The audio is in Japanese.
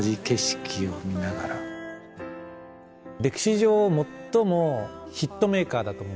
歴史上最もヒットメーカーだと思うんですよ。